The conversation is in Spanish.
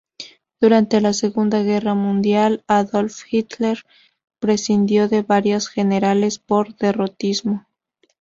Durante la Segunda Guerra Mundial, Adolf Hitler prescindió de varios generales por derrotismo.